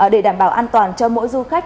để đảm bảo an toàn cho mỗi du khách